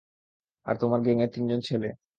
আর তোমার গ্যাংয়ের তিনজন ছেলে।